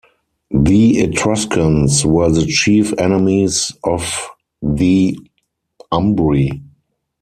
The Etruscans were the chief enemies of the Umbri.